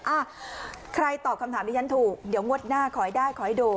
อ่ะใครตอบคำถามดิฉันถูกเดี๋ยวงวดหน้าขอให้ได้ขอให้ดู